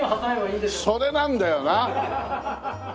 それなんだよな！